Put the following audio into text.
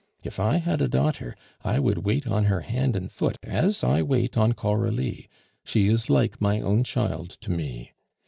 If I had a daughter, I would wait on her hand and foot as I wait on Coralie; she is like my own child to me.